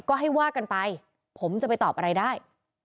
ก็ให้ว่ากันไปผมจะไปตอบอะไรได้